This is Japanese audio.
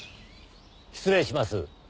失礼します。